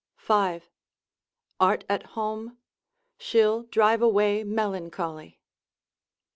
—5. Art at home? she'll drive away melancholy.